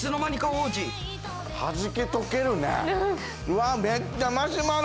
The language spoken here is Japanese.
はじけとけるね。